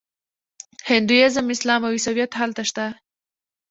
هندویزم اسلام او عیسویت هلته شته.